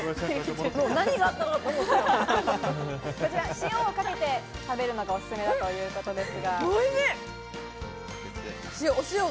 塩をかけて食べるのがおすすめだということです。